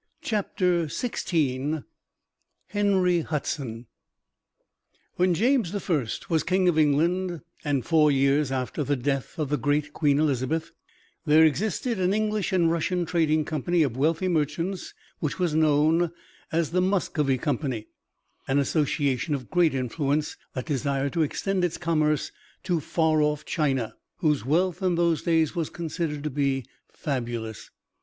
CHAPTER XVI HENRY HUDSON When James the First was King of England, and four years after the death of the great Queen Elizabeth, there existed an English and Russian trading company of wealthy merchants which was known as the Muscovy Company an association of great influence that desired to extend its commerce to far off China, whose wealth in those days was considered to be fabulous.